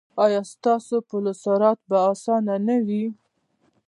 ایا ستاسو پل صراط به اسانه نه وي؟